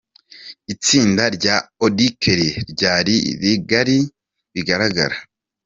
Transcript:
Itsinda rya Auddy Kelly ryari rigari bigaragara.